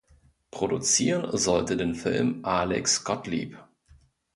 Produzieren sollte den Film Alex Gottlieb.